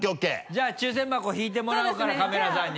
じゃあ抽選箱引いてもらうからカメラさんに。